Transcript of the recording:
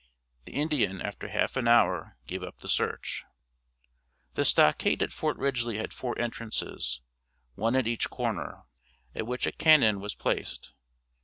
The Indian after half an hour gave up the search. The stockade at Fort Ridgely had four entrances one at each corner, at which a cannon was placed.